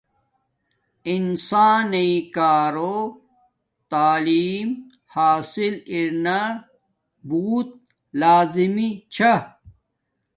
انسانݵ کارو تعیل حاسل ارنا بوت لازمی چھا